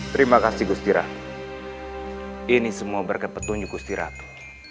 terima kasih gustira ini semua berkat petunjuk gustiratu